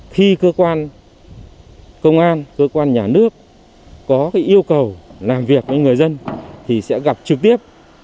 khi cơ quan công an cơ quan nhà nước có yêu cầu làm việc với người dân thì sẽ gặp trực tiếp